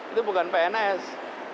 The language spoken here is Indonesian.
itu bukan pns